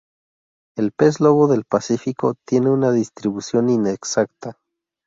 El pez lobo del Pacífico tiene una distribución inexacta.